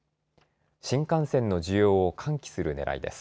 新幹線の需要を喚起するねらいです。